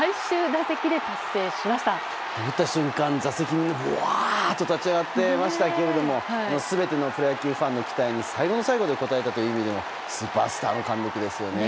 打った瞬間、座席もうわー！って立ち上がっていましたけども全てのプロ野球ファンの期待に最後の最後で応えたという意味ではスーパースターの貫禄ですよね。